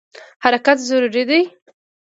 حرکت ضروري دی.